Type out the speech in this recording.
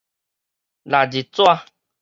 曆日紙